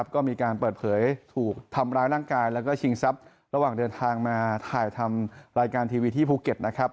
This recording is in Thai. ก็มีการเปิดเผยถูกทำร้ายร่างกายแล้วก็ชิงทรัพย์ระหว่างเดินทางมาถ่ายทำรายการทีวีที่ภูเก็ตนะครับ